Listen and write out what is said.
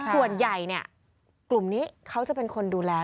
ส่วนใหญ่กลุ่มนี้เขาจะเป็นคนดูแล